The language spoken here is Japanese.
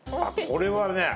これはね